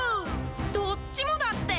どっちもだって。